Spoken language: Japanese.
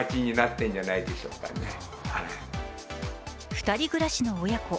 ２人暮らしの親子。